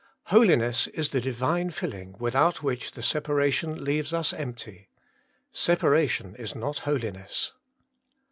Holiness is the Divine filling without which the separation leaves us empty. Separation is not holiness.